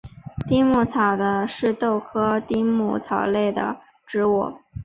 丁癸草是豆科丁癸草属的植物。